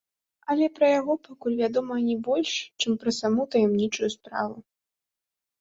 Але пра яго пакуль вядома не больш, чым пра саму таямнічую справу.